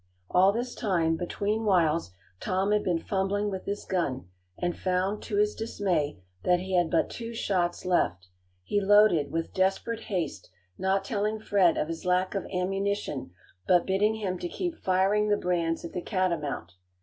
All this time, between whiles, Tom had been fumbling with his gun and found, to his dismay, that he had but two shots left. He loaded, with desperate haste, not telling Fred of his lack of ammunition, but bidding him to keep firing the brands at the catamount.